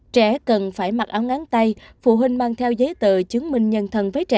trẻ cần phải mặc áo ngán tay phụ huynh mang theo giấy tờ chứng minh nhân thân với trẻ